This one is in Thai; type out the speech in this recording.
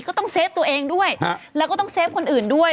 ต้องเซฟตัวเองด้วยแล้วก็ต้องเฟฟคนอื่นด้วย